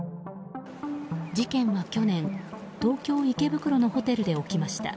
事件は去年東京・池袋のホテルで起きました。